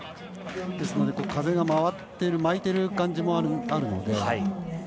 ですので、風が回っている巻いてる感じもあるので。